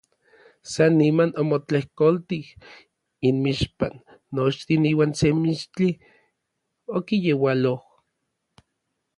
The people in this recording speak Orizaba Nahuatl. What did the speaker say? San niman omotlejkoltij inmixpan nochtin iuan se mixtli okiyeualoj.